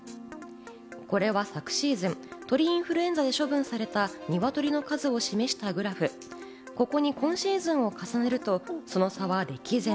これは昨シーズン、鳥インフルエンザで処分された鶏の数を示した数、ここに今シーズンも重ねると、その差は歴然。